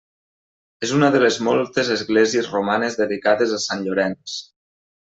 És una de les moltes esglésies romanes dedicades a Sant Llorenç.